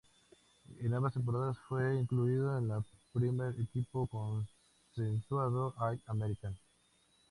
En ambas temporadas fue incluido en el primer equipo consensuado All-American.